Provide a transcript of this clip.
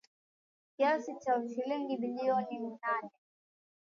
Kiasi cha shilingi bilioni mnane